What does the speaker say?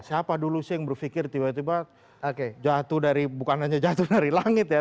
siapa dulu sih yang berpikir tiba tiba jatuh dari bukan hanya jatuh dari langit ya